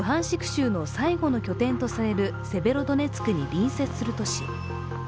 州の再度の拠点とされるセベロドネツクに隣接する都市。